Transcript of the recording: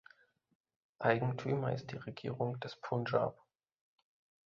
Eigentümer ist die Regierung des Punjab.